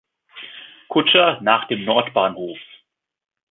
Kutscher, nach dem Nordbahnhof!